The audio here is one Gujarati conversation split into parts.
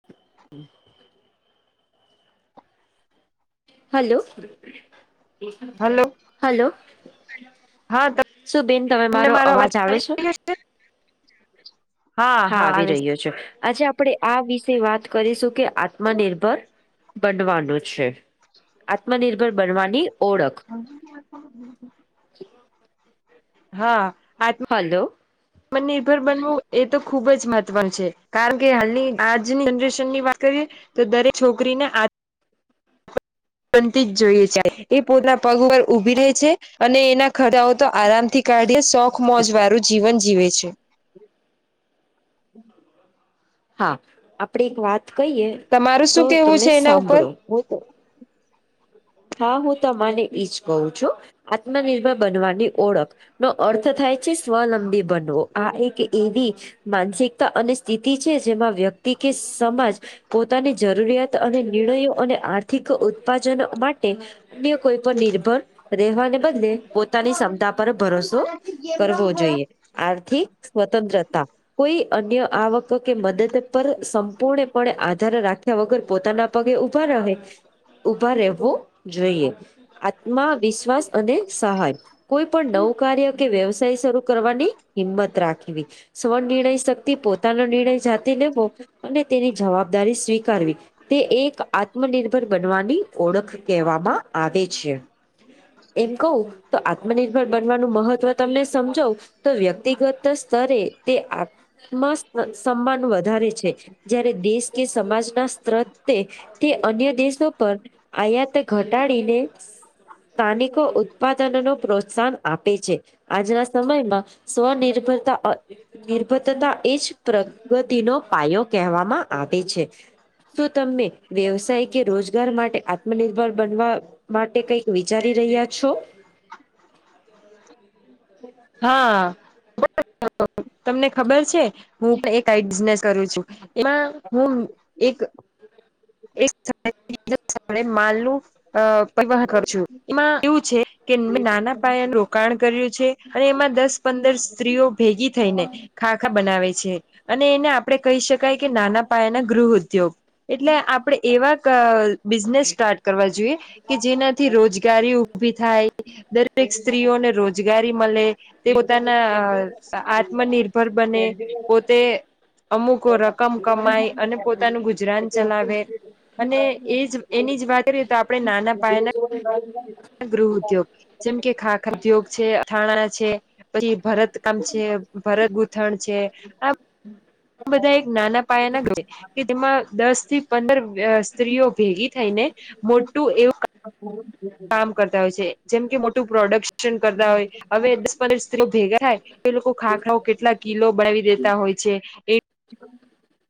[inaudible] હલો હલો હલો હા શું બેન તમે મારો અવાજ આવે છે. હા આવી રહ્યો છ આજે આપ આપણે આ વિશે વાત કરીશું કે આત્મનિર્ભર બનવાનું છે. આત્મનિર્ભર બનવાની ઓળખ [unintelligible] હા હલો આત્મનિર્ભર બનવું એ તો ખુબ જ મહત્વનું છે કારણ કે હાલની આજની જનરેશનની વાત કરીએ તો દરેક છોકરીને બનતી જ જોઈએ છે એ પોતાના પગ ઉપર ઉભી રહે છે અને એના ખર્ચાઓ તો આરામ થી કાડી શોખ મોજ વાળું જીવન જીવે છે. હા આપડે એક વાત કહીયએ તમારું તો શું કેવું તમે છે એના ઉપર સાંભળો હા હું તમાને એજ કહું છું આત્મનિર્ભર બનવાની ઓળખ નો અર્થ થાય છે સ્વલંબી બનવો આ એક એવી માનસિકતા અને સ્થિતિ છે જેમાં વ્યક્તિ કે સમાજ પોતાની જરૂરિયાત અને નિર્ણયો અને આર્થિક ઉત્પાદનો માટે અન્ય કોઈ પર નિર્ભર રહેવાને બદલે પોતાની ક્ષમતા પર ભરોસો કરવો જોઈએ આર્થિક સ્વતંત્રતા કોઈ અન્ય આવક તો કે મદદ પર સંપૂર્ણપણે આધાર રાખ્યા વગર પોતાના પગે ઊભા રહે. ઉભા રહેવો જોઈએ આત્મા વિશ્વાસ અને સહાય. કોઈ પણ નવું કાર્ય કે વ્યવસાય શરૂ કરવાની હિંમત રાખવી. સ્વનિર્ણય શક્તિ પોતાનો નિર્ણય જાતે લેવો અને તેની જવાબદારી સ્વીકારવી તે એક આત્મનિર્ભર બનવાની ઓળખ કહેવામાં આવે છે. એમ કહું તો આત્મનિર્ભર બનવાનું મહત્વ તમને સમજો તો વ્યક્તિગત સ્તરે તે સમાન વધારે છે જય્યારે દેશ કે સમાજના સ્ત્રત તે અન્ય દેશો પર આયાત ઘટાડીને સ્થાનિકો ઉત્પાદન નો પ્રોત્સાહન આપે છે. આજના સમયમાં સ્વનિર્ભરતા નિર્ભતાતા એ જ પ્રગતિનો પાયો કહેવામાં આવે છે. શું તમને વ્યવસાય કે રોજગાર માટે આત્મનિર્ભર બનવા માટે કઈક વિચારી રહ્યા છો? હા તમને ખબર છે હું પણ એક બિને કરું છું એમાં હું એક [unintelligible] એકે માલું અ પરવાહન કર છું એમાં એવું છે કે મેં નાના પાયાનું રોકાણ કર્યું છે. અને એમાં દસ પંદર સ્ત્રીઓ ભેગી થઈ ને ખાખા બનાવે છે અને એને આપણે કહી શકાય કે નાના પાયાના ગૃહ ઉદ્યોગ. એટલે આપડે એવા બિઝનેસ સ્ટાર્ટ કરવા જોઈએ કે જેનાથી રોજગારી ઉઊભી થાય દરેક સ્ત્રીઓને રોજગારી મળે. તે પોતાના આત્મનિર્ભર બને પોતે અમુકો રકમ કમાય અને પોતાનું ગુજરાન ચલાવે અને એજ એની જ વાત તો આપણે નાના પાયાના [unintelligible] ગૃહ ઉદ્યોગ જેમ કે ખાખા ઉદ્યોગ છે અથાણા છે પછી ભરત કામ છે. ભરત ગૂથણ છે આ બધા એક નાના પાયાના છે. કે તેમાં દસ થી પંદર સ્ત્રીઓ ભેગી થઈને મોટું એવું [unintelligible] કામ કરતા હોય છે જેમ કે મોટું પ્રોડક્શન કરતા હોય હવે દસ પંદરસ કિલો ભેગા થાય. એ લોકો ખાખરાઓ કેટલા કિલો બનાવી દેતા હોય છે એ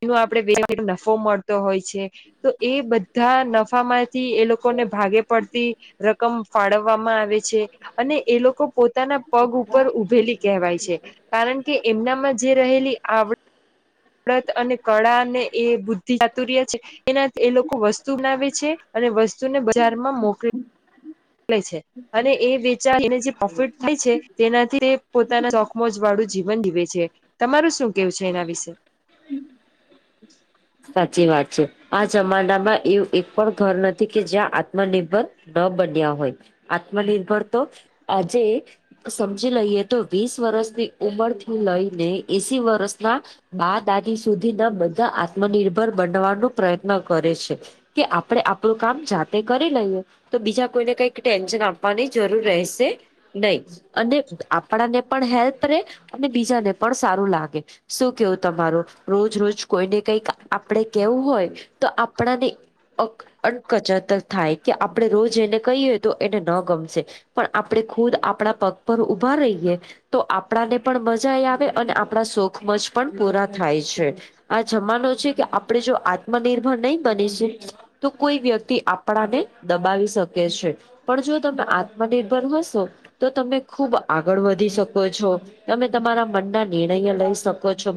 એ આપડે બે નફો મળતો હોય છે. તો એ બધા નફા માંથી એ લોકોને ભાગે પડતી રકમ ફાળવવામાં આવે છે. છે અને એ લોકો પોતાના પગ ઉપર ઉભેલી કહેવાય છે. કારણ કે એમનામાં જે રહેલી આવડ અને કળા અને એ બુદ્ધિ ચતુર્ય છે. એના એ લોકો વસ્તુ ના વેચે અને વસ્તુ ને બજારમાં મોકલી છે અને એ વેચા એને જે પ્રોફિટ થાય છે તેનાથી પોતાના શોખમોજ વાળું જીવન જીવે છે તમારું શું કેવું છે એના વિશે? સાચી વાત છે આ જમાડામાં એવું એક પણ ઘર નથી કે જ્યાં આત્મનિર્ભર ન બન્યા હોય આત્મનિર્ભર તો આજે સમજી લઈએ તો વીસ વર્ષની ઉમર થી લઈને એસી વર્ષના મા દાદી સુધી ના બધા આત્મનિર્ભર બનવાનો પ્રયત્ન કરે છે. કે આપડે આપણું કામ જાતે કરી લઈએ. તો બીજા કોઈને કંઈક ટેન્શન આપવાની જરૂર રહેશે નહી. અને આપણા ને પણ હેલ્પ રે અને બીજાને પણ સારું લાગે શું કેવું તમારો રોજ રોજ કોઈને કઈક આપણે કેવું હોય તો આપણાને અકચત થાય કે આપડણે રોજ એને કહીએ તો એને ન ગમશે પણ આપણેે ખુદ આપણા પગ પર ઉભા રહીયએ તો આપણા ને પણ મજા આપણા શખમજ પણ પૂરા થાય છે આ જમાનો છે કે આપણે જો આત્મનિર્ભર નહી બની છે. તો કોઈ વ્યક્તિ આપણાને દબાવી શકે. છે. પણ જો તમે આત્મનિર્ભર હશો. તો તમે ખુબ આગળ વધી શકો છો. તમે તમારા મનના નિર્ણય લઈ શકો છો.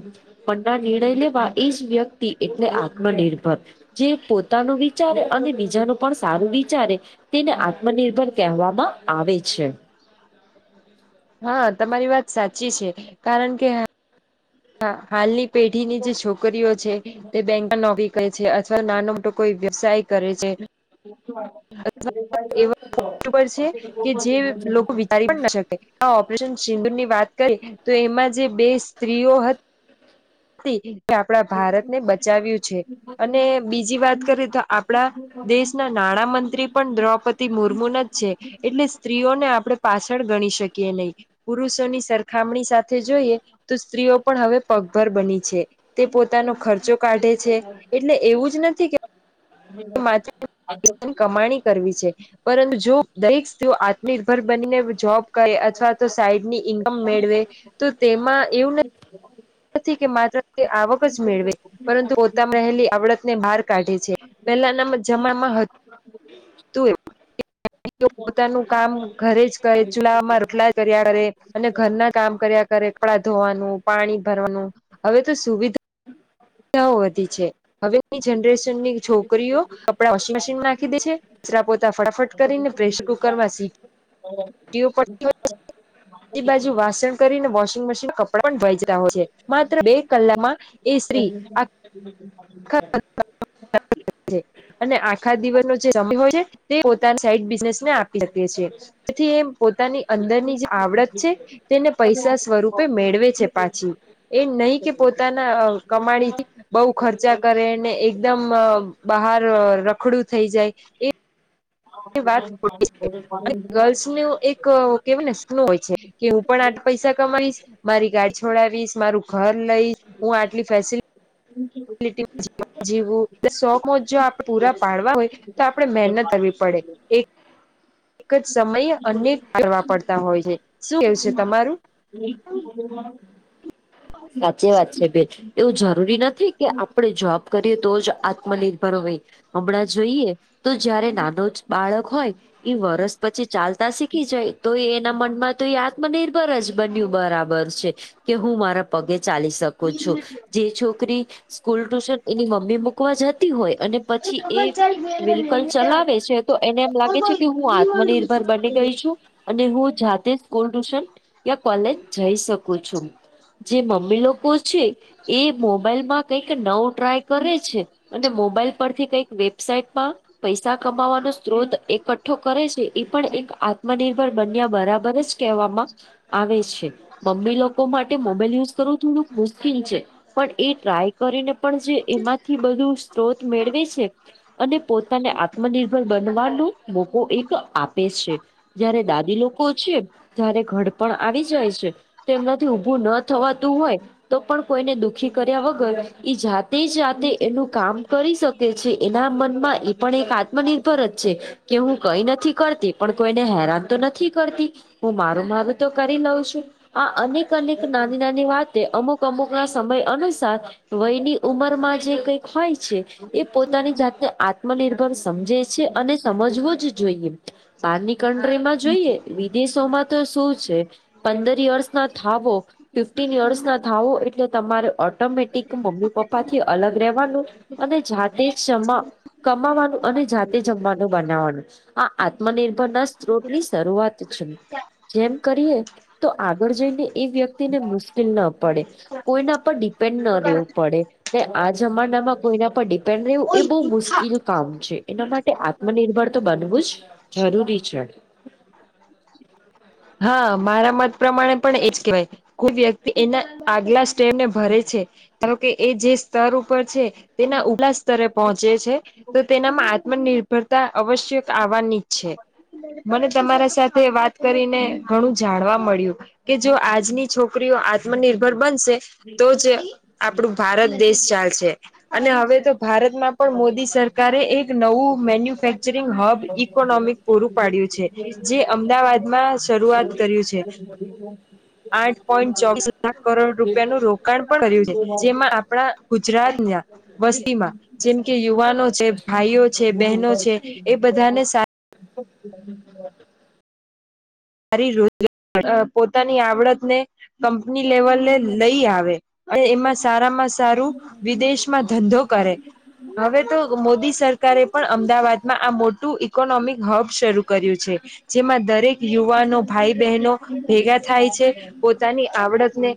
મનના નિર્ણય લેવા. એ જ વ્યક્તિ એટલે આત્મનિર્ભર. જે પોતાનું વિચારે, અને બીજાનું પણ સારું વિચારે. તેને. આત્મનિર્ભર કહેવામાં આવે છે. હા! તમારી વાત સાચી છે. કારણ કે, હા! હાલની પીઢીની જે છોકરીઓ છે, તે બેંક નો. કહે છે. અથવા નાનો મોટો કોઈ વ્યવસાય કરે છે. એ વસ્તુ પર છે [unintelligible] હા! ઓપરેશન સિંદુરની વાત કરી, તો એમાં જે બે સ્ત્રીઓ. કે આપણા ભારત ને બચાવ્યું છે. અને બીજી વાત કરીએ તો, આપડા દેશના. નાણાં મંત્રી પણ દ્રૌપદી મુર્મુ ના જ છે. એટલે સ્ત્રીઓને આપડણે પાછળ ગણી શકીએ નહી. પુરુષોની સરખામણી સાથે જોઈએ, તો સ્ત્રીઓ પણ હવે પગ. ર બની છે તે પોતાનો ખર્ચો કાઢે છે. એટલે એવું જ નથી કે. ની કમાણી કરવી છે. પરંતુ જો દરેક સ્ત્રીઓ. નિર્ભર બનીને જોબ કર. અથવા તો સાઈડ ની ઈન્કમ મેળવે તો તેમાં એવું. [inaudible] નથી કે માત્ર તે આવક જ મેળવે. પરંતુ પોતામાં રહેલી આવડતને બહાર કાઢે છે. પેલા એના જમાણમાં. તું એ. પોતાનું કામ ઘરે જ કરે. ચૂલામાં રોટલા કર્યા કરે. અને ઘરના કામ કર્યા કરે. કપડા ધોવાનું. પાણી ભરવાનું. હવે તો સુવિધા. ક વધી છે. હવેની જનરેશનની છોકરીઓ કપડા વોશિંગ મશીનમાં નાખી દે છે. દરા પોતા ફટાફટ. કરીને પ્રેશર કુકરમાં સી. [inaudible] એ બાજુ વાસણ કરીને, વોશિંગ મશીન કપડા પણ ભ રહ છે. માત્ર બે કલાકમાં. એ સ્ત્રી. આખા [inaudible] અને આખા દિવસનો જે સમય હોય છે. તે પોતાના સાઈડ બિઝનેસ ને આપી શકીએ. જેથી એ પોતાની અંદરની જે આવડત છે, તેને પૈસા સ્વરૂપ. મેળવે છે પાછી. એ નહી કે પોતાના કમાડીથી બહ ખર્ચ. ચા કરે ને. એકદમ બહાર રખડું થઈ જાય. વાત ગર્લ્સ એક. કે ને શું હોય છે? કે હું પણ આઠ પૈસા કમાવીશ. મારી ગાડ છોડાવીશ મારું. ઘર લઈ. હું આટલી ફેસિલ. જીવું. એ સો મોજ જો આપણે પૂરા પાડવા હોય તો, આપડણે મહેનત કરવી પડે. એક જ સમયે અન કરવા પડતા હોય છે. શું કેવ છે તમારું? સાચી વાત છે બેન. એવું જરૂરી નથી કે, આપડે જોબ કરીએ તો જ આત્મનિર હમણાં જોઈએ તો, જયારે નાનો જ બાળક હોય એ વરસ. પછી ચાલતા શીખી જાય તો, એના મનમાં તો એ આત્મનિર્ભર જ બન્યુ બરાબર છે. કે હું મારા પગે ચાલી શકું છુ. જે છોકરી સ્કૂલ ટુશન એની મમ્મી મૂકવા જતી હોય, અને પછી એ વેહિકલ ચલાવે છે, તો એને એમ લાગે છે કે હું આ બની ગઈ છુ. અને હું જાતે સ્કૂલ ટુશન યા કોલેજ જઈ શકોું છો, જે મમ્મી લોકો છે. એ મોબાઈલ માં કઈક નવું ટ્રાય કરે છે. અને મોબાઈલ પરથી કઈક વેબસાાઈટમાં પૈસા કમાવાનો સ્ત્રોત એકઠ્ઠો કરે છે. એ પણ એક આત્મનિર્ભર બન્યા બરાબર જ કહેવામા આવે છે મમ્મી લોકો માટે મોબાઈલ યુઝ કરવું થોડુંક મુશ્કેલ છે. પણ એ ટ્રાય કરીને પણ જે એમાંથી બધું સ્ત્રોત મેળવે છે. અને પોતાને આત્મનિર્ભર બનવાનો મોકો એક આપે છે. જયારે દાદી લોકો છે ત્યારે ઘર પણ આવી જાય છે. તેમનાથી ઉઊભું ન થવાતું હોય, તો પણ કોઈને દુઃખી કર્યા વગર ઈ જાત તે જાતે એનું કામ કરી શકે છે, એના મનમાં એ પણ એક આત્મનિર્ભર જ છે. કે હું કઈ નથી. કરતી પણ કોઈને હેરાન તો નથી કરતી હું મારું મારું તો કરી લઉં છુ. આ અનેક અનેક નાની નાની વાતે અમુક અમુક ના સમય અનુસાર વયની ઉંમરમાં જે કઈક હોય છે એ પોતાની જાતને આત્મનિર્ભર સમજે છે, અને સમજવો જ જોઈએ બારની કટ્રીમાં જોઈએ. દેશોમાં તો શું છે, પંદર વર્ષ ના થાવો ફિફ્ટીન યર્સ ના ધાવો એટલે તમારે ઓટોમેટિક મમ્મી પપ્પા થી અલગ રહેવાનું અને જાતે જમા કમાવાનું અને જાતે જમવાનું બનાવવાનુ આ આત્મનિર્ભર ના સ્ત્રોત ની શરૂઆત છે. જેમ કરીએ તો આગળ જઈને એ વ્યક્તિને મુશ્કેલ ના પડે કોઈના પર ડિપેન્ડ ન રહેેવુ પડે ને આ જમાનામાં કોઈના પર વું એ બહુ મુશ્કેલ કામ છે, એના માટે આત્મનિર્ભર તો બનવું જ જરૂરી છે. હા મારા મત પ્રમાણે પણ એજ કેહેવાય કોુ વ્યક્તિ એના આગલા સ્ટેમને ભરે છે. ધારો કે એ જે સ્તર ઉપર છે, તેના ઉપલા સ્તરે પહોંચે છે તો તેનામાં આત્મનિર્ભર કરરતા અવશ્ય આવવાની જ છે મને તમારા સાથે વાત કરીને ઘણું જાણવા મળ્યું કે જો આજની છોકરીઓ આત્મનિર્ભર બનશે તો જ આપણું ભારત દેશ ચાલશે અને હવે તો ભારતમા પણ મોદી સરકારે એક નવુ મેન્યુફેક્ચરિંગ હબ ઇકોનોમી પૂરું પાડ્યું છે. જે અમદાવાદમા શ બ નું રોકાણ પણ કર્યું છે, જેમાં આપણા ગુજરાત ના વસ્તીમા જેમ કે યુવાનો છે ભાઈઓ છે બહેનો છેએ, બધાને [inaudible] સારી રોજ પોતાની આવડત ને કંપની લેવલ લઈ આવે અને એમાં સારામા સારું વિદેશમાં ધંધો કરે હવે તો મોદી સરકારે પણ અમદાવાદમાં આ મોટું ઈકોનોમિક હબ શરૂ કર્યું છે. જેમાં દરેક યુવાનો ભાઈ બહેનો ભેગા થાય છે, પોતાની આવડતને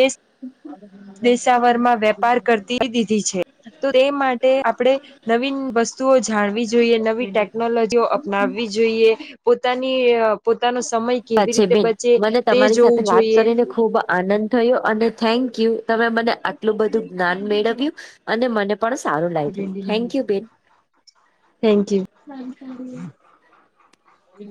દેશ દેશાવરમાં વેપાર કરતી [inaudible] છે તો તે માટે આપણે નવીન વસ્તુઓ જાડવી જોઈએ નવી ટેકનોલોજીઓ અપનાવવી જોઈએ. પોતાની અ સાચે બેન મને તે તમારી સાથે જોવું વાત જોઈએ કરીને ખુબ આનંદ થયો અને થેન્ક યુ. તમે મને આટલું બધું જ્ઞાન મેળવ્યું અને મને પણ સારું લાગ્યું થેન્ક યુ બેન. થેંક્યું. હમ્મ.